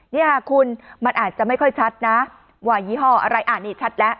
นี่ค่ะคุณมันอาจจะไม่ค่อยชัดนะว่ายี่ห้ออะไรอ่านนี่ชัดแล้ว